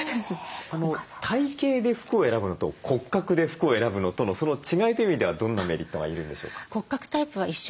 体型で服を選ぶのと骨格で服を選ぶのとのその違いという意味ではどんなメリットが言えるんでしょうか？